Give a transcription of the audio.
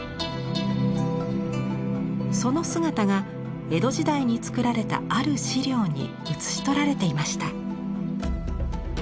その姿が江戸時代に作られたある資料に写し取られていました。